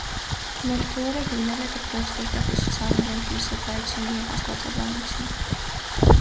Մելխիորը հիմնել է դպրոց, որտեղ ուսուցանել են փիլիսոփայություն և աստվածաբանություն։